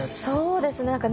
そうですね